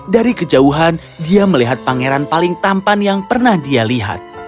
dari kejauhan dia melihat pangeran paling tampan yang pernah dia lihat